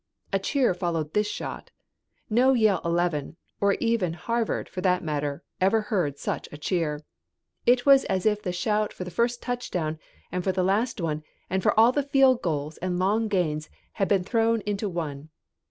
A cheer followed this shot. No Yale eleven, or even Harvard for that matter, ever heard such a cheer. It was as if the shout for the first touchdown and for the last one and for all the field goals and long gains had been thrown into one.